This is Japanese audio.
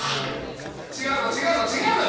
違うの違うの違うのよ